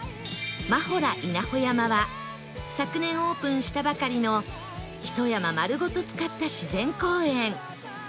Ｍａｈｏｒａ 稲穂山は昨年オープンしたばかりのひと山丸ごと使った自然公園